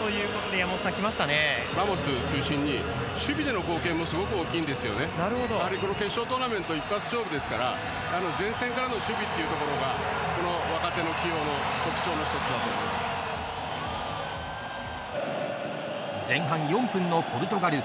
やはり決勝トーナメント一発勝負ですから前線からの守備というところがこの若手の起用特徴の前半４分のポルトガル。